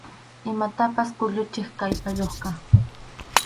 Imatapas kuyuchiq kallpayuqqa.